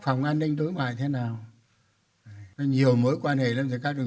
tầm nhìn đến năm hai nghìn ba mươi là một trăm linh năm thành lập đảng